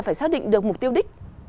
phải xác định được mục tiêu đích